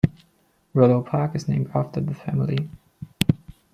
Rollo Park is named after the family.